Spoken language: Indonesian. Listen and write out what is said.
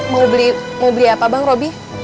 mau beli mau beli apa bang robby